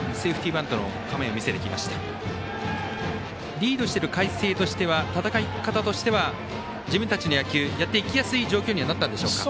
リードしている海星の戦い方としては自分たちの野球やっていきやすい状況になったのでしょうか。